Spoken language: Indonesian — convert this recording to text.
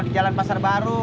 di jalan pasar baru